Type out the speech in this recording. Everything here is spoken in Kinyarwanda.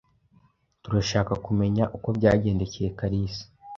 Turashaka kumenya uko byagendekeye Kalisa.